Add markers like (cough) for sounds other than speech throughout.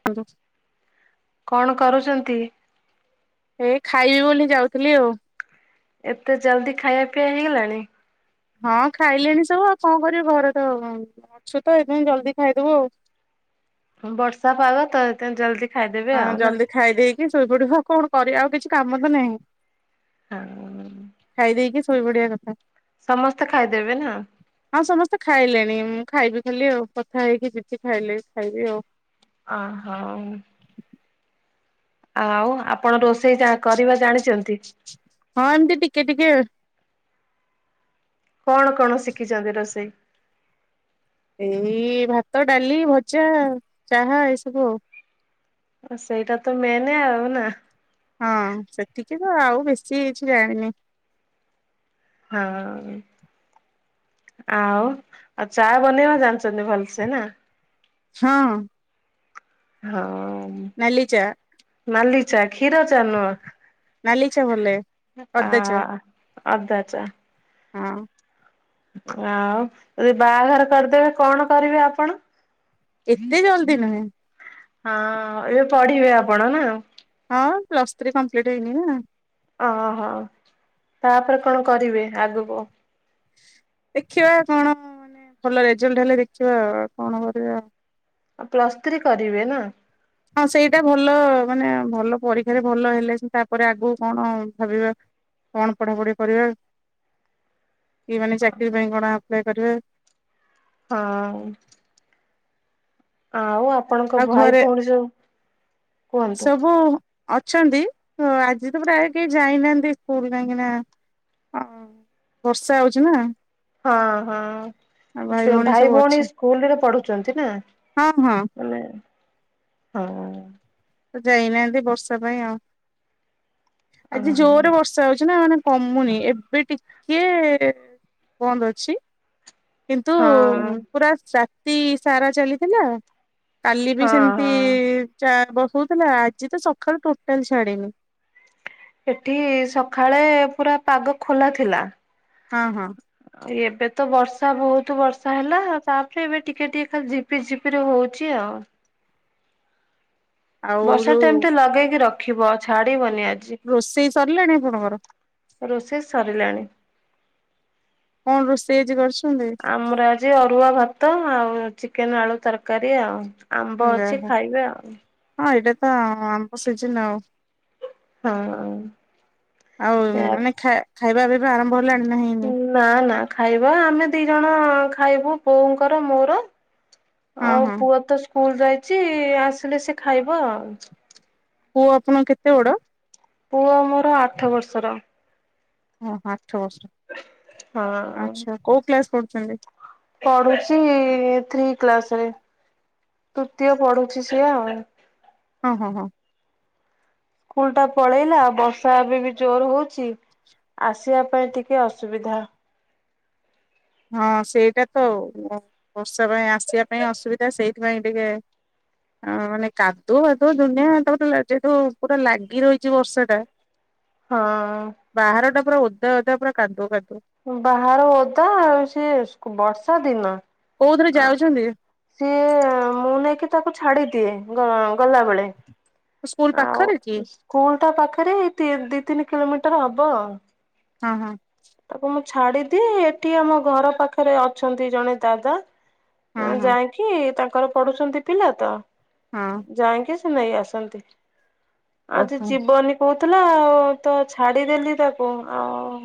(unintelligible) କଣ କରୁଚନ୍ତି? ଏ ଖାଇବି ବୋଲି ଯାଉଥିଲି ଆଉ। ଏତେ ଜଲଦି ଖାଇବା ପିଆ ହେଇଗଲାଣି? ହଁ ଖାଇଲେଣି ସବୁ ଆଉ କଣ କରିବି ଘରେ ତ ଅଛୁ ତ ଏଇଥିପାଇଁ ଜଲଦି ଖାଇଦବୁ ଆଉ। ବର୍ଷା ପାାଗ ତ ସେଥିପାଇଁ ଜଲଦି ହଁ ଜଲଦି ଖାଇ ଦେଇକି ଶୋଇପଡିଭ କଣ କରିବା ଆଉ କିଛି କାମ ତ ନାହିଁ। ହଁ ଖାଇ ଦେଇକି ଶୋଇ ପଡିବା କଥା। ସମସ୍ତେ ଖାଇଦେବେ ନା? ହଁ ସମସ୍ତେ ଖାଇଲେଣି। ମୁଁ ଖାଇବି ଖାଲି ଆଉ କଥା ହେଇକି ଯିବି ଖାଇଲେ ଖାଇବି ଆଉ। ଓ ହୋଉ। ଆଉ ଆପଣ ରୋଷେଇ ଚା କରିବା ଜାଣିଚନ୍ତି। ହଁ ଏମିତି ଟିକେ ଟିକେ କଣ କଣ ଶିଖିଛନ୍ତି ରୋଷେଇ? ଏଇ ଭାତ, ଡାଲି, ଭଜା, ଚାହା ଏଇ ସବୁ। ହଁ ସେଇଟା ତ ମେନେ ଆଉ ନା। ହଁ ସେତିକି ତ ଆଉ ବେଶୀ କିଛି ଜାଣିନି। ହଁ। ଆଉ ଆଉ ଚା ବନେଇବା ଜାଣିଛନ୍ତି ଭଲସେ ନା? ହଁ। ହଁ। ନାଲି ଚା। ନାଲି ଚା କ୍ଷୀର ଚା ନାଲି ଚା ଭଲ ଲାଗେ ନୁହଁ ଆ,। ଅଦା ଚା ଅଦା ଚା। ହଁ। ଆଉ ଯଦି ବାହାଘର କରିଦେବେ କଣ କରିବେ ଆପଣ? ଏତେ ଜଲ୍ଦି ନୁହେଁ। ହଁ ଏବେ ପଢିବେ ଆପଣ ନା? ହଁ ପ୍ଲସ ଥ୍ରୀ କମ୍ପ୍ଲିଟ୍ ହେଇନି ନା। ଓହୋ, ତାପରେ କଣ କରିବେ ଆଗକୁ? ଦେଖିବା କଣ ମାନେ ଭଲ ରେଜଲ୍ଟ ହେଲେ ଦେଖିବା କଣ କରିବା। ଆ, ପ୍ଲସ୍ ଥ୍ରୀ କରିବେ ନା? ହଁ ସେଇଟା ଭଲ ମାନେ ଭଲ ପରୀକ୍ଷାରେ ଭଲ ହେଲେ ତାପରେ ଆଗକୁ କଣ ଭାବିବା। କଣ ପଢାପଢି କରିବେ କି ମାନେ ଚାକିର ପାଇଁ କଣ ଆପ୍ଲାଏ କରିବେ? ହଁ। ଆଉ ଆପଣଙ୍କ ଆଉ ଭାଇ ଘରେ ଭଉଣୀ ସବୁ କୁହନ୍ତୁ ସବୁ ଅଛନ୍ତି ଅ, ଆଜି ତ ପ୍ରାୟ କେହି ଯାଇନାହାନ୍ତି ସ୍କୁଲ୍ କାହିଁକି ନା ଅଁ, ବର୍ଷା ହଉଛି ନା। ହଁ, ହଁ ଆଉ ତେ ଭାଇ ସବୁ ଭଉଣୀ ଅଛୁ ସ୍କୁଲ୍ ରେ ପଢୁଚନ୍ତି ନା? ହଁ ହଁ ମାନେ ହଁ ତ ଯାଇନାହାନ୍ତି ବର୍ଷା ପାଇଁ ଆଉ ଆଜି ଓହୋ ଜୋରେ ବର୍ଷ ଷା ହଉଛି ନା ମାନେ କମୁନି ଏବେ ଟିକେ ବନ୍ଦ ଅଛି କିନ୍ତୁ ହଁ। ପୁରା ରାତି ସାରା ଚାଲିଥିଲା, କାଲି ବି ହଁ ସେମିତି ହଁ। ଚା ବ ହଉଥିଲା, ଆଜି ତ ସକାଳୁ ଟୋଟାଲ ଛାଡିନି। ଏଠି ସକାଳେ ପୁରା ପାଗ ଖୋଲା ଥିଲା। ହଁ, ହଁ। ଏବେ ତ ବର୍ଷା ବହୁତ ବର୍ଷା ହେଲା ତାପରେ ଏବେ ଟିକେ ଟିକେ ଖାଲି ଝିପ୍ ପି ଝିପିରି ହଉଛି ଆଉ। ଆଉ ବର୍ଷା ତ ଯୋଉ ଏମିତି ଲଗେଇକି ରଖିବ ଛାଡିବନି ଆଜି। ରୋଷେଇ ସରିଲାଣି ଆପଣଙ୍କର ରୋଷେଇ ସରିଲାଣି। କ'ଣ ରୋଷେଇ ଆଜି କରିଛନ୍ତି? ଆମର ଆଜି ଅରୁଆ ଭାତ ଆଉ ଚିକେନ ଆଳୁ ତରକାରୀ ଆଉ। ଆମ୍ବ ଯାହା ଅଛି ହଉ। ଖାଇବେ ଆଉ। ହଁ, ଏଇଟା ତ ଆମ୍ବ ସିଜିନ ଆଉ। ହଁ ଆଉ ଏୟା ମାନେ ଖାଇ ଖାଇବା ପିଇବା ଆରମ୍ଭ ହେଲାଣି ନା ହେଇନି? ନା, ନା, ଖାଇବା ଆମେ ଦି ଜଣ ଖାଇବୁ ବୋଉଙ୍କର ମୋର। ହଁ ଆଉ ହଁ ପୁଅ ତ ସ୍କୁଲ ଯାଇଛି ଆସିଲେ ସିଏ ଖାଇବ ଆଉ। ପୁଅ ଆପଣଙ୍କ କେତେ ବଡ? ପୁଅ ମୋର ଆଠ ବର୍ଷର। ଓହୋଃ! ଆଠ ବର୍ଷର, ହଁ। ଆଛା କୋଉ କ୍ଲାସ୍ ପଢ଼ୁଛନ୍ତି? ପଢୁଛି ଥ୍ରୀ କ୍ଲାସ ରେ, ତୃତୀୟ ପଢୁଛି ସିଏ ଆଉ। ହଁ, ହଁ, ହଁ। ସ୍କୁଲ ଟା ପଳେଇଲା ବର୍ଷା ଏବେ ବି ଜୋର ହଉଛି। ଆସିବା ପାଇଁ ଟିକେ ଅସୁବିଧା। ହଁ, ସେଇଟା ତ ବର୍ଷା ପାଇଁ ଆସିବା ପାଇଁ ଅସୁବିଧା ସେଇଥିପାଇଁ ଟିକେ ହଁ, ମାନେ କାଦୁଅ ଫାଦୁଅ ଦୁନିଆ ତାପରେ ତ ଲା ଯେହେତୁ ପୁରା ଲାଗି ରହିଛି ବର୍ଷା ଟା ହଁ। ବାହାର ଟା ପୁରା ଓଦା ଓଦା ପୁରା କାଦୁଅ ଫାଦୁଅ। ବାହାର ଓଦା ଆଉ ସିଏ ବର୍ଷା ଦିନ କୋଉଥିରେ ଯାଉଛନ୍ତି? ସିଏ ମୁଁ ନେଇକି ତାକୁ ଛାଡିଦିଏ ଗ ଗଲାବେଳେ। ସ୍କୁଲ ଆଉ ପାଖରେ କି ସ୍କୁଲ ଟା ପାଖରେ ତିନ ଦି ତିନି କିଲୋମିଟର ହବ। ହଁ, ହଁ। ତାକୁ ମୁଁ ଛାଡିଦିଏ ଏଠି ଆମ ଘର ପାଖରେ ଅଛନ୍ତି ଜଣେ ଦାଦା। ହଁ ହଁ ଯାଇକି ତାଙ୍କର ପଢୁଛନ୍ତି ପିଲା ତ ହଁ ଯାଇକି ନେଇ ଆସନ୍ତି ଆଜି ଓହୋ ଯିବନି କହୁଥିଲା ଆଉ ତ ଛାଡିଦେଲି ତାକୁ ଆଉ।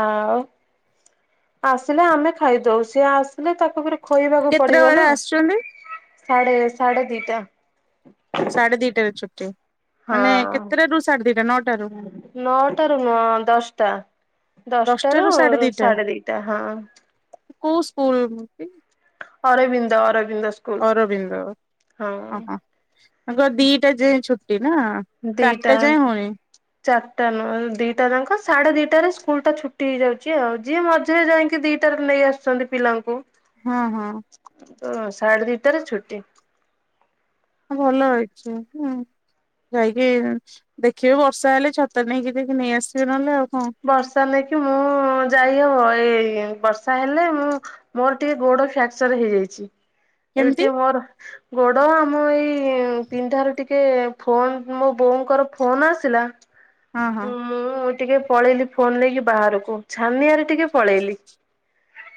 ଆଉ ଆସିଲେ ଆମେ ଖାଇଦଉ ସିଏ ଆସିଲେ ତାକୁ ବି ଖୋଇବାକୁ କେତେଟା ପଡିବ ବେଳେ ନା ଆସୁଛନ୍ତି ସାଢେ ସାଢେ ଦିଟା। ସାଢେ ଦିଟାରେ ଛୁଟି, ମାନେ କେତେଟା ରୁ ସାଢେ ଦିଟା? ନଅଟା ରୁ ନଅଟା ରୁ ନୁହଁ ଦଶଟା। ଦଶଟା ରୁ ସାଢେ ଦିଟା, ହଁ। କୋଉ ସ୍କୁଲ (inaudible) ଅରବିନ୍ଦ ଅରବିନ୍ଦ ସ୍କୁ ଅରବିନ୍ଦ ଓହୋଃ, ତାଙ୍କ ଦିଟା ଯାଏ ଛୁଟି ନା। ଦିଟା ଚାରିଟା ଯାଏଁ ହଉନି। ଚାରିଟା ନୁହଁ ଦିଟା ଯାଙ୍କ ସାଢେ ଦିଟାରେ ସ୍କୁଲ ଟା ଛୁଟି ହେଇଯାଉଛି ଆଉ ଯିଏ ମଝିରେ ଯାଇକି ଦି ଟାରୁ ନେଇ ଆସୁଛନ୍ତି ପିଲାଙ୍କୁ। ହଁ, ହଁ। ଓ ସାଢ଼େ ଦିଟାରେ ଛୁଟି। ଭଲ ଅଛି ହୁଁ। ଯାଇକି ଦେଖିବେ ବର୍ଷା ହେଲେ ଛତା ନେଇକି ଯାଇକି ନେଇଆସିବେ ନହେଲେ ଆଉ କଣ। ବର୍ଷା ନେଇକି ମୁଁ ଯାଇହବ ଏଇ ବର୍ଷା ହେଲେ ମୁଁ ମୋର ଟିକେ ଗୋଡ ଫାକ୍ଚର ହେଇଯାଇଛି। ଏବେ କେମିତି ଟିକେ ମୋର ଗୋଡ ଆମ ଏଇ ପିନ୍ଢାରୁ ଟିକେ ଟିକେ ଫୋନ୍ ମୋ ବୋଉଙ୍କର ଫୋନ୍ ଆସିଲା ହଁ ହଁ ମୁଁ ଟିକେ ପଳେଇଲି ଫୋନ୍ ନେଇକି ବାହାରକୁ ଛାନିଆରେ ଟିକେ ପଳେଇଲି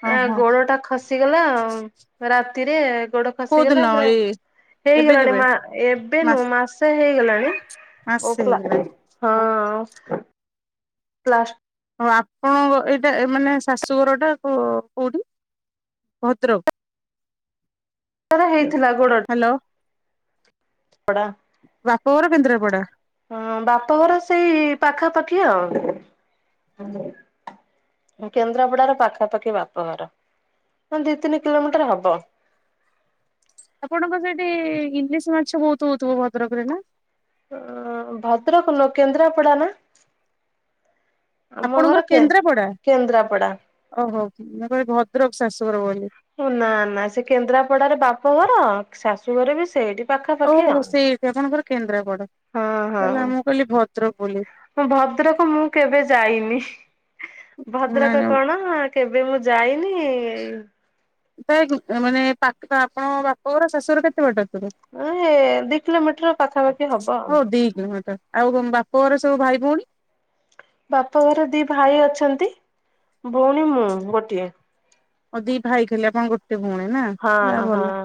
ହଁ ହଁ ଗୋଡ ଟା ଖସି ଖସିଗଲା ଆଉ ରାତିରେ ଗୋଡ। କୋଉ ଖସିଗଲା ଦିନ ପୁରା ଏଇ ଏବେ ହେଇଗଲାଣି କେବେ ମା ଏବେ ନୁହଁ ମାସ ମାସେ ହେଇଗଲାଣି। ଓ ପ ମାସେ ହେଇଗଲା ହଁ ପ (unintelligible) ଆଉ ଆପଣଙ୍କ ଏଇଟା ମାନେ ଶାଶୁଘର ଟା କୋଉଠି ଭଦ୍ରକ? ହେଇଥିଲା ଗୋଡ। ହ୍ୟାଲୋ- କପଡ଼ା- ବାପଘର କେନ୍ଦ୍ରାପଡା। ହଁ ବାପଘର ସେଇ ପାଖାପାଖି ଆଉ। କେନ୍ଦ୍ରାପଡାର ପାଖାପାଖି ବାପଘର ହ ଦିଇ ତିନି କିଲୋମିଟର ହବ। ଆପଣଙ୍କର ସେଠି ଇଂଲିଶ ମାଛ ବହୁତ ହଉଥିବ ଭଦ୍ରକ ରେ ନା। ଉ ଭଦ୍ରକ ନୁହଁ କେନ୍ଦ୍ରାପଡା ନା। ଆମ ଆପଣଙ୍କର ଘର କେ କେନ୍ଦ୍ରାପଡା କେନ୍ଦ୍ରାପଡା। ଓହୋ ମୁ କହିଲି ଭଦ୍ରକ ଶାଶୁଘର ବୋଲି। ନା ନା ସେ କେନ୍ଦ୍ରାପଡାରେ ବାପଘର ଶାଶୁଘର ବି ସେଇଠି। ପାଖାପାଖି ଓହୋ ଆଉ। ସେଇଠି ଆପଣଙ୍କର କେନ୍ଦ୍ରାପଡା ତାହାଲେ ମୁଁ କହିଲି ଭଦ୍ରକ ବୋଲି। ମୁଁ ଭଦ୍ରକ ମୁଁ କେବେ ଯାଇନି ଭଦ୍ରକ ମାନେ କଣ? କେବେ ମୁଁ ଯାଇନି। ତ ମାନେ ପାଖରେ ଆପଣକଂ ବାପଘର ଶାଶୁଘର କେତେ ବାଟ ତାହେଲେ? ଉ ଦି କିଲୋମିଟର ପାଖାପାଖି ହବ ଆଉ। ଗ ମ (unintelligible) ଆଉ ତମ ବାପଘରେ ସବୁ ଭାଇ ଭଉଣୀ ବାପଘରେ ଦି ଭାଇ ଅଛନ୍ତି ଭଉଣୀ ମୁଁ ଗୋଟିଏ। ଆଉ ଦି ଭାଇ ଖାଲି ଆପଣ ଗୋଟେ ଭଉଣୀ ନା ଯା ହଁ ହଁ। ଭଲ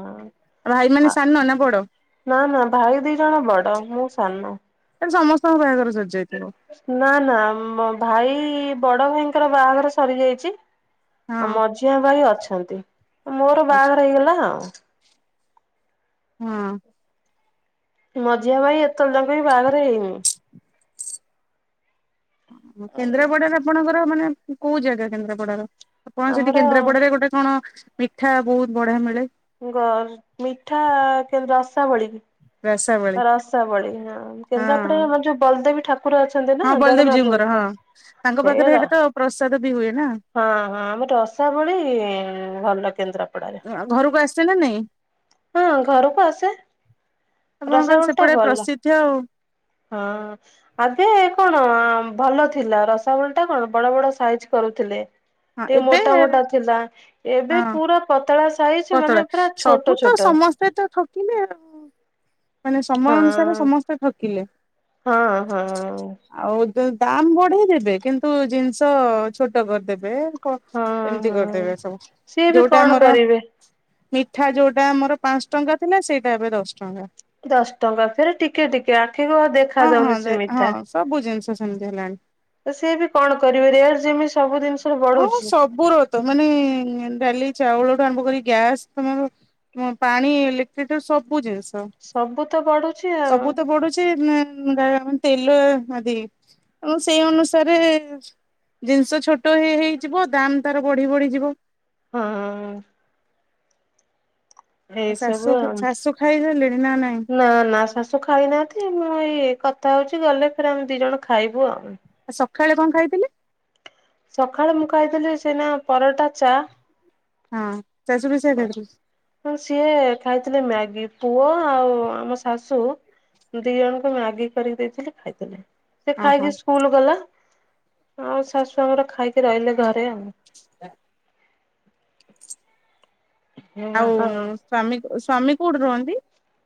ଭାଇ ମାନେ ସାନ ନା ବଡ? ନା ନା ଭାଇ ଦି ଜଣ ବଡ ମୁଁ ସାନ। ତାହେଲେ ସମସ୍ତଙ୍କ ବାହାଘର ସରିଯାଇଥିବ। ନା ନା ଭାଇ ବଡ ଭାଇଙ୍କର ବାହାଘର ସରି ଯାଇଛି। ହଁ ଆଉ ମଝିଆ ଭାଇ ଅଛନ୍ତି ମୋର ଆଚ୍ଛା ବାହାଘର ହେଇଗଲା ଆଉ। ହଁ। ମଝିଆ ଭାଇ ଏତେବେଳେ ଯାଙ୍କେ ବି ବାହାଘର ହେଇନି। ଓ କେନ୍ଦ୍ରାପଡାରେ ଆପଣଙ୍କର ମାନେ କୋଉ ଜାଗା କେନ୍ଦ୍ରାପଡାର? ଆପଣକଂ ସେଠି ଆମର କେନ୍ଦ୍ରାପଡରେ ଗୋଟେ କଣ ମିଠା ବହୁତ ବଢିଆ ମିଳେ। ଗ ମିଠା କେ ରସାବଳି କି (unintelligible) ରସାବଳି ରସାବଳି ହଁ କେନ୍ଦ୍ରାପଟେ ଆମର ଯୋଉ ବଲଦେବୀ ଠାକୁର ଅଛନ୍ତି। ନା ହଁ ବଲଦେବ ଜୀଉ ଜଗନ୍ନାଥ ଙ୍କର ମନ୍ଦିର। ହଁ ତାଙ୍କ ପାଖରେ ସେଇରା ଏଇଟା ତ ପ୍ରସାଦ ବି ହୁଏ ନା। ହଁ ହଁ ଆମ ରସାବଳି ଭଲ କେନ୍ଦ୍ରାପଡାରେ। ଘରକୁ ଆସୁଚି ନା ନାଇଁ। ହଁ ଘରକୁ ଆସେ ଆପଣଙ୍କର ରସାବଳି ଟା ସେପଟେ ଭଲ। ପ୍ରସିଦ୍ଧ ଆଉ। ହଁ। ଆଗେ କଣ ଭଲ ଥିଲା ରସାବଳି ଟା କଣ ବଡ ବଡ ସାଇଜ କରୁଥିଲେ। ହଁ ଟିକେ ଏବେ ମୋଟା ମୋଟା ଥିଲା ଏବେ ହଁ ପୁରା ପତଳା ସାଇଜ ପତଳା ମାନେ ପୁରା ଛୋଟ ସବୁ ତ ଛୋଟ। ସମସ୍ତେ ତ ଠକିଲେ ଆଉ ମାନେ ସମୟ ହଁ ଅନୁସାରେ ସମସ୍ତେ ଠକିଲେ। ହଁ ହଁ। ଦ ଦାମ ବଢେଇ ଦେବେ କିନ୍ତୁ ଜିନିଷ ଛୋଟ କରିଦେବେ। ଓ ହଁ ଏମତି ହଁ। କରଦେବେ ସବୁ ସିଏ ବି ଯୋଉଟା କଣ ଆମର କରିବେ? ମିଠା ଯୋଉଟା ଆମର ପାଞ୍ଚଟଙ୍କା ଥିଲା ସେଇଟା ଏବେ ଦଶଟଙ୍କା। ଦଶ ଟଙ୍କା ଫେରେ ଟିକେ ଟିକେ ଆଖିକୁ ଆଉ ହଁ ହଁ ଦେଖାଯାଉନି ସେ ହଁ ମିଠା। ସବୁ ଜିନଷ ସେମତି ହେଲାଣି। ତ ସିଏ ବି କଣ କରିପାରିବେ ଇଆଡେ ଯେମିତି ସବୁ ଜିନିଷ ଆମୁ ବଢୁଛି। ସବୁରତ ମାନେ ଡାଲି ଚାଉଳଠୁ ଆରମ୍ଭ କରି ଗ୍ୟାସ୍ ତମର ମୁଁ ପାଣି ଇଲେକଟ୍ରିଠୁ ସବୁ ଜିନିଷ ସବୁ ତ ବଢୁଛି ଆଉ ସବୁ ତ ବଢୁଛି ନେ ଉଁ ଗାଇ ଆମର ତେଲ ଆଦିକି ଆମ ସେଇ ଅନୁସାରେ ଜିନିଷ ଛୋ ଛୋଟ ହେଇ ହେଇ ଯିବ ଦାମ୍ ତାର ବଢି ବଢିଯିବ। ହଁ ହଁ। ଶାଶୁ ଏଇସବୁ ଆଉ ଶାଶୁ ଖାଇସାରିଲେଣି ନାଇଁ ନା ନା ସା ସବୁ ଖାଇନାହାନ୍ତି ମୁଁ ଏଇ କଥା ହୋଉଚି ଗଲେ ଫେରେ ଆମେ ଦିଜଣ ଖାଇବୁ ଆଉ। ଆଉ ସଖାଳେ କଣ ଖାଇଥିଲେ? ସଖାଳେ ମୁଁ ଖାଇଥିଲି ସେଇନା ପରଟା ଚା। ହଁ ଶାଶୁ ବି ସେୟା ଖାଇବେ। ହଁ ସିଏ ଖାଇଥିଲେ ମ୍ୟାଗି ପୁଅ ଆଉ ଆମ ଶାଶୁ ଦି ଜଣଙ୍କୁ ମ୍ୟାଗି କରିକି ଦେଇଥିଲି ଖାଇଥିଲେ। ସେ ହଁ ହଁ ଖାଇକି ସ୍କୁଲ ଗଲା ଆଉ ଶାଶୁ ଆମର ଖାଇକି ରହିଲେ ଘରେ ଆଉ। ହ ଆଉ ହଁ ସ୍ଵାମୀ ସ୍ଵାମୀ କୋଉଠି ରୁହନ୍ତି?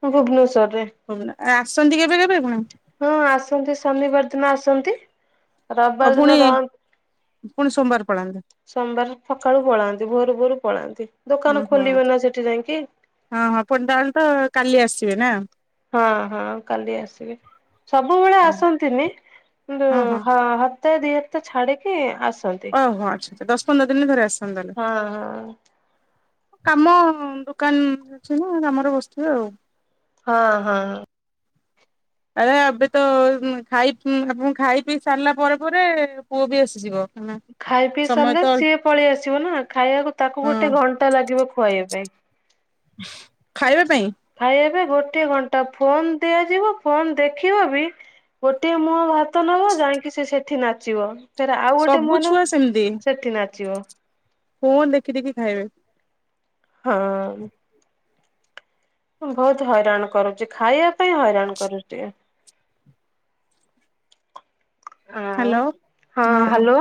ମୁଁ ଭୁବନେଶ୍ଵରେ। ଆ ଆସନ୍ତି କେବେ କେବେ ପୁଣି। ହଁ ଆସନ୍ତି ଶନିବାର ଦିନ ଆସନ୍ତି। ରବିବାର ଆଉ ଦିନ ପୁଣି ରହନ୍ତି। ପୁଣି ସୋମବାର ପଳାନ୍ତି। ସୋମବାର ସକାଳୁ ପଳାନ୍ତି ଭୋର ଭୋରୁ ପଳାନ୍ତି ହୁଁ ଦୋକାନ ହୁଁ ଖୋଲିବେ ନା ସେଠି ଯାଇଁକି। ହଁ ହଁ ପୁଣି ତାହାଲେ ତ କାଲି ଆସିବେ ନା? ହଁ ହଁ କାଲି ଆସିବେ ସବୁବେଳେ ହଁ ଆସନ୍ତିନି କିନ୍ତୁ ହଁ ହଁ ତେ ଦିଇ ହାତ ଛାଡିକି ଆସନ୍ ଓହୋ ଆଚ୍ଛା ଆଚ୍ଛା ଦଶ ପନ୍ଦର ଦିନରେ ଥରେ ଆସନ୍ତି ତାହେଲେ। ହଁ ହଁ କାମ ଦୋକାନ ଅଛି ନା କାମରେ ବସିଥିବେ ଆଉ। ହଁ ହଁ। ଆରେ ଆ ଏବେ ତ ଉଁ ଖାଇ ଉଁ ଆପଣଙ୍କୁ ଖାଇ ପିଇ ସାରଲା ପରେ ପରେ ପୁଅ ବି ଆସିଯିବ। ଖାଇ ପିଇ ସମୟ ସାରଲେ ତ ସିଏ ପଳେଇ ଆସିବ ନା ଖାଇବାକୁ ତାକୁ ହଁ ଗୋଟେ ଘଣ୍ଟା ଲାଗିବ ଖୁଆଇବା ପାଇଁ। ଖାଇବା ପାଇଁ? ଖାଇବା ପାଇଁ ଗୋଟିଏ ଘଣ୍ଟା ଫୋନ ଦିଆଯିବ ଫୋନ ଦେଖିବ ବି ଗୋଟିଏ ମୁହାଁ ଭାତ ନବ ଜାଇଁକି ସିଏ ସେଠି ନାଚିବ। ଫେରେ ଆଉ ଗୋଟେ ସବୁ ମୁହଁ ଛୁଆ ନୋଉ ସେମିତି ସେଠି ନାଚିବ। ଫୋନ ଦେଖି ଦେଖି ଖାଇବେ। ହଁ। ବୋହୁତ ହଇରାଣ କରୁଚି ଖାଇବା ପାଇଁ ହଇରାଣ କରୁଚି। ଆଉ ହ୍ୟାଲୋ ହଁ ହାଲୋ।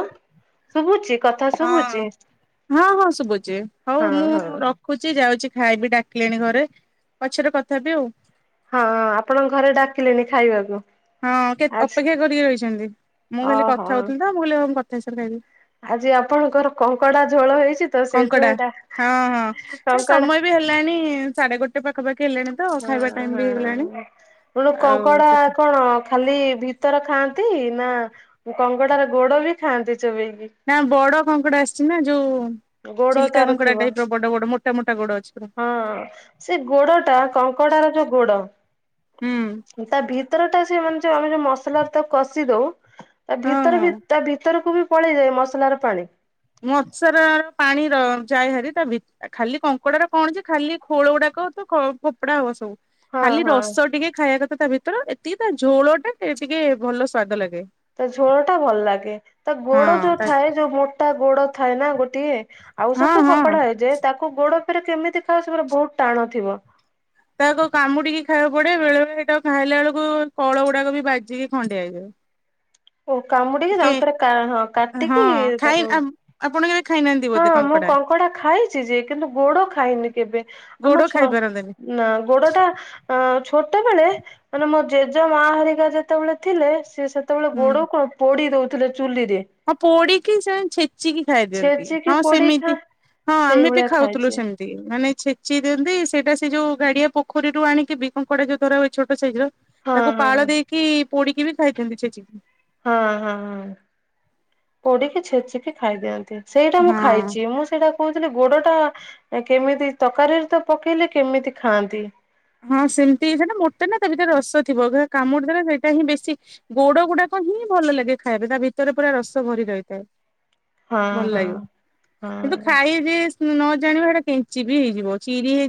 ଶୁଭୁଚି କଥା ହଁ ହଁ ହଁ ଶୁବୁଚି ହୋଉ ହଁ ମୁଁ ହଁ ର ରଖୁଚି ଯାଉଚି ଖାଇବି ଡାକିଲେଣି ଘରେ ପଛରେ କଥା ହେବିି ଆଉ। ହଁ ଆପଣଙ୍କ ଘରେ ଡାକିଲେଣି ଖାଇବାକୁ। ହଁ କେ ଆଜି ଅପେକ୍ଷା କରିକି ରହିଛନ୍ତି ମୁଁ ଖାଲି ଓହୋ କଥା ହୋଉଥୁଲି ତ ମୁଁ କହିଲି ହୋଉ ମୁଁ କଥା ହେଇସାରେ ଖାଇବି। ଆଜି ଆପଣଙ୍କର କଙ୍କଡା ଝୋଳ ହେଇଚି। କଙ୍କଡା ହଁ ହଁ ସେ କଙ୍କଡା ସମୟ ବି ହେଲାଣି ସାଢେ ଗୋଟେ ପାଖାପାଖି ହେଲାଣି। ତ ହୁଁ ଖାଇବା ଟାଇମ ବି ହେଇଗଲାଣି ହଁ ଗଣୁ ଆଉ କଙ୍କଡା ସେଥି କଣ ଖାଲି ଭିତର ଖାଆନ୍ତି ନା କଙ୍ଗଡାର ଗୋଡ ବି ଖାଆନ୍ତି ଚୋବେଇକି? ନା ବଡ କଙ୍କଡା ଆସିଛି ନା ଯୋଉ ଗୋଡ ଚିଲିକା ତାର କଙ୍କଡା ଥିବ ଟାଇପ ର ବଡ ଗୋଡ ମୋଟା ମୋଟା ଗୋଡ ଅଛି। ପୁରା। ହଁ ସେ ଗୋଡ ଟା କଙ୍କଡାର ଯୋଉ ଗୋଡ ହୁଁ। ତା ଭିତର ଟା ସେ ମାନେ ଯୋଉ ଆମେ ଯୋଉ ମସଲା ର ତା କଷି ଦଉ। ତା ହଁ ହଁ ଭିତର ତା ଭିତରକୁ ବି ପଳେଇଯାଏ ମସଲାର ପାଣି। ମଛାର ପାଣି ଯା ହାରି ତା ଖାଲି କଙ୍କଡା ର କଣଛି ଖାଲି ଖୋଳ ଗୁଡାକ ତ ଫୋପଡା ହବ ସବୁ ହଁ ଖାଲି ହଁ ରସ ଟିକେ ଖାଇବା ତା ଭିତରେ ଏତିକି ତା ଝୋଳ ଟା ଟିକେ ଭଲ ସ୍ଵାଦ ଲାଗେ।। ତା ଝୋଳ ଟା ଭଲ ଲାଗେ। ତା ଗୋଡ ହଁ ଯୋଉ ତା ଥାଏ ଯୋଉ ମୋଟା ଗୋଡ ଥାଏ ନା ଗୋଟିଏ। ଆଉ ହଁ ସବୁ ତ ହଁ। ଖୋପଡା ହେଇଯାଏ ତାକୁ ଗୋଡ ଫେରେ କେମିତି ଖାଅ ସେ ବହୁତ ଟାଣ ଥିବ। ତାକୁ କାମୁଡିକି ଖାଇବାକୁ ପଡେ। ବେଳେ ବେଳେ ଟାକୁ ଖାଇଲା ବେଳକୁ କଳ ଗୁଡାକ ବି ବାଜିକି ଖଣ୍ଡିଆ ହେଇଯାଏ। ଓ କାମୁଡିକି ଟିକେ ଦାନ୍ତରେ ହଁ ହଁ କାଟିକି ଖାଇ ତାକୁ ଆପଣ କେବେ ଖାଇନାହାନ୍ତି। ହଁ ମୁଁ କଙ୍କଡା ଖାଇଛି ଯେ, କିନ୍ତୁ ଗୋଡ ଖାଇନି କେବେ ଗୋଡ ଆମ ଖାଇ ଛ ପାରନ୍ତିନି ନା ଗୋଡ ଟା ଅ ଛୋଟବେେଳେ ମାନେ ମୋ ଜେଜେ ମା ହରିକା ଯେତେବେଳେ ଥିଲେ ସିଏ ସେ ତେବେଳେ ଗୋଡ କ ପୋଡି ଦଉଥିଲେ ଚୁଲିରେ। ଆଉ ପୋଡିକି ସେ ଛେଚିକି ଖାଇ ଦିଅନ୍ତି। ଛେଚିକି ହଁ ପୋଡିଖା ସେମିତି ହଁ ଆମେ ବି ସେଇଭଳିଆ ଖାଉଥିଲୁ ଖାଇଛି ସେମ ତି ମାନେ ଛେଚି ଦିଅନ୍ତି, ସେଇଟା ସେ ଯୋଉ ଗାଡିଆ ପୋଖରୀରୁ ଆଣିକି ବି କଙ୍କଡା ଯୋଉ ଧରା ହୁଏ ଛୋଟ ସାଇଜ ର ହଁ ତାକୁ ହଁ ପାଳ ଦେଇକି ପୋଡିକି ବି ଖାଇଥାନ୍ତି ଛେଚିକି। ହଁ ହଁ ହଁ। ପୋଡିକି ଛେଚିକି ଖାଇଦିଅନ୍ତି। ସେଇଟା ମୁଁ ହଁ ଖାଇଛି ମୁଁ ସେଇଟା କହୁଥିଲେ ଗୋଡ ଟା କେମିତି ତରକାରୀରେ ତ ପକେଇଲେ କେମିତି ଖାଆନ୍ତି? ହଁ ସେମିତି ସେଟା ମୋଟା ନା ତା ଭିତରେ ରସ ଥିବ, ଯ କାମୁଡିଦଲେ ସେଇଟା ହିଁ ବେଶୀ ଗୋଡ ଗୁଡାକ ହିଁ ଭଲ ଲାଗେ ଖାଇବା ପାଇଁ ତା ଭିତରେ ପୁରା ରସ ଭରି ରହିଥାଏ। ହଁ ଭଲ ହଁ ଲାଗେ। କିନ୍ତୁ ହଁ। ଖାଇ ଯିଏ ନ ଜାଣିବ ସେଟା କେଞ୍ଚି ବି ହେଇଯିବ ଚିରି ହେଇଯିବ